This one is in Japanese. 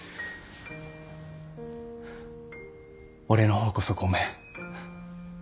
俺の方こそごめん。